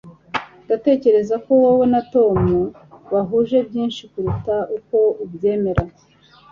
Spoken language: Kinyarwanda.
Ndatekereza ko wowe na Tom bahuje byinshi kuruta uko ubyemera.